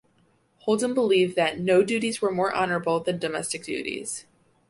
Holden believed that "no duties were more honorable than domestic duties".